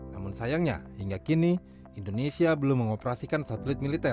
namun sayangnya hingga kini indonesia belum mengoperasikan satelit militer